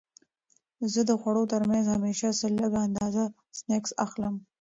زه د خوړو ترمنځ همیشه څه لږه اندازه سنکس اخلم.